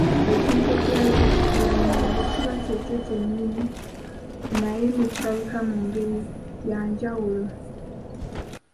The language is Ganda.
Ekintu ekirabika kifuulannenge kiba kyekyo kye nnyini naye ne kirabika mu ngeri ya njawulo